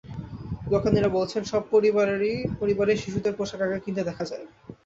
দোকানিরা বলছেন, সব পরিবারেই শিশুদের পোশাক আগে কিনতে দেখা যায়।